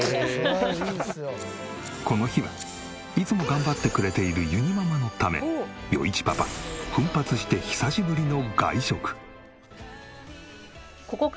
この日はいつも頑張ってくれているゆにママのため余一パパ奮発して久しぶりの外食。